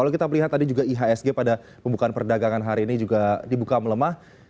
kalau kita melihat tadi juga ihsg pada pembukaan perdagangan hari ini juga dibuka melemah